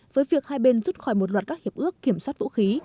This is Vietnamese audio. với việc hai bên rút khỏi một loạt các hiệp ước kiểm soát vũ khí